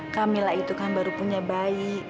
camillah itu kan baru punya bayi